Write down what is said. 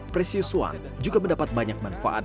presius one juga mendapat banyak manfaat